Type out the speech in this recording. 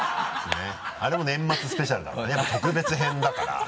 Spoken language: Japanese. あれも年末スペシャルだからやっぱ特別編だから。